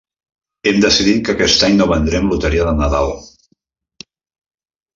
Hem decidit que aquest any no vendrem loteria de Nadal.